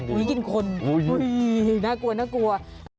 อุ้ยกินคนอุ้ยน่ากลัวน่ากลัว